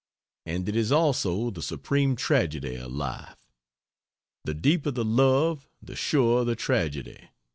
And it is also the supreme tragedy of life. The deeper the love the surer the tragedy.